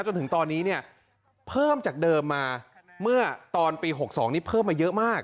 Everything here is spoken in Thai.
จนถึงตอนนี้เนี่ยเพิ่มจากเดิมมาเมื่อตอนปี๖๒นี้เพิ่มมาเยอะมาก